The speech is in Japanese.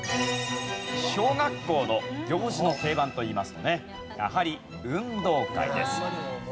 小学校の行事の定番といいますとねやはり運動会です。